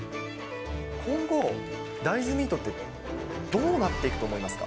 今後、大豆ミートって、どうなっていくと思いますか？